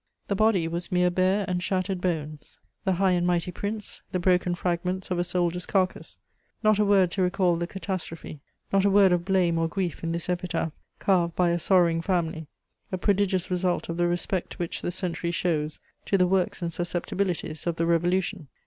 The "body" was mere bare and shattered bones; the "high and mighty Prince," the broken fragments of a soldier's carcase; not a word to recall the catastrophe, not a word of blame or grief in this epitaph carved by a sorrowing family; a prodigious result of the respect which the century shows to the works and susceptibilities of the Revolution!